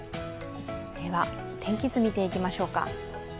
天気図、見ていきましょうか。